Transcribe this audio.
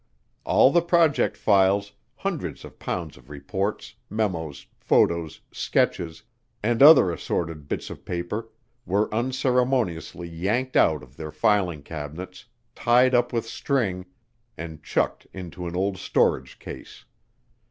All the project files, hundreds of pounds of reports, memos, photos, sketches, and other assorted bits of paper were unceremoniously yanked out of their filing cabinets, tied up with string, and chucked into an old storage case.